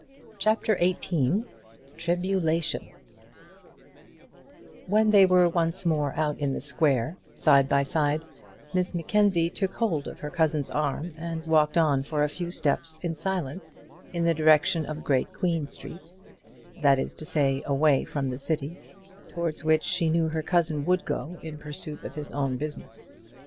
CHAPTER XVIII Tribulation When they were once more out in the square, side by side, Miss Mackenzie took hold of her cousin's arm and walked on for a few steps in silence, in the direction of Great Queen Street that is to say, away from the city, towards which she knew her cousin would go in pursuit of his own business.